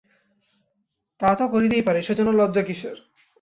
তা-তো করিতেই পারে, সেজন্য লজ্জা কিসের।